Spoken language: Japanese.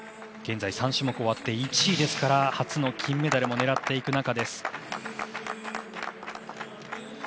現在３種目が終わって１位ですから初の金メダルも出る中です。